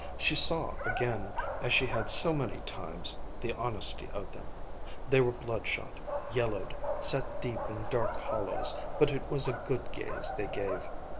She saw again, as she had so many times, the honesty of them. They were bloodshot, yellowed, set deep in dark hollows; but it was a good gaze they gave.